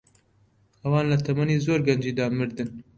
ئەوان لە تەمەنی زۆر گەنجیدا مردن.